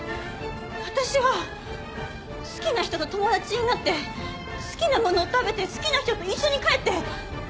私は好きな人と友達になって好きなものを食べて好きな人と一緒に帰って。